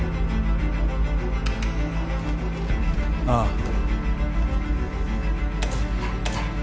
ああ。